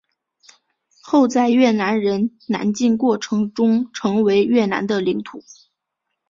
后在越南人南进过程中成为越南的领土。